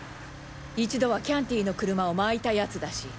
一度はキャンティの車をまいた奴だし。